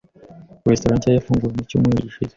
Restaurant nshya yafunguwe mu cyumweru gishize.